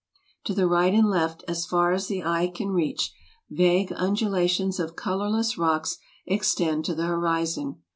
To the right and left, as far as the eye can reach, vague undulations of colorless rocks extend to the horizon.